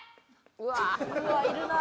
うわっいるなあ。